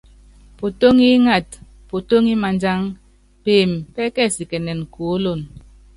Potóŋi ingata, potóŋi madjang, peeme pɛ́kɛsikɛnɛn kuólono.